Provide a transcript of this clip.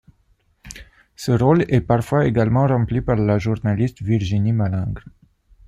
Ce rôle est parfois également rempli par la journaliste Virginie Malingre.